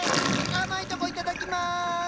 甘いとこいただきます！